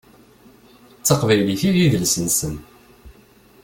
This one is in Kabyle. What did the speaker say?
D taqbaylit i d idles-nsen.